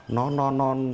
nó nó nó